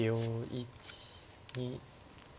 １２。